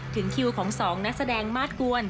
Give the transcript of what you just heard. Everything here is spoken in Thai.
ถึงคิวของ๒นักแสดงมาสกวน